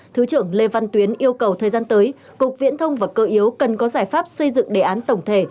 thứ trưởng lê văn tuyến yêu cầu thời gian tới cục viễn thông và cơ yếu cần có giải pháp xây dựng đề án tổng thể